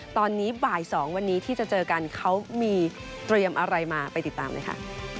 ตอนนี้บ่าย๒วันนี้ที่จะเจอกันเขามีเตรียมอะไรมาไปติดตามเลยค่ะ